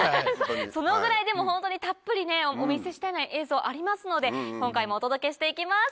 そのぐらいホントにたっぷりお見せしていない映像ありますので今回もお届けして行きます。